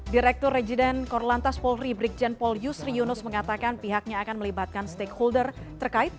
direktur regiden korlantas polri brigjen paul yusri yunus mengatakan pihaknya akan melibatkan stakeholder terkait